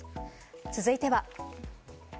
続いては。